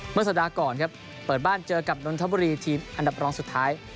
เมื่อสัปดาห์ก่อนครับเปิดบ้านเจอกับนนทบุรีทีมอันดับรองสุดท้าย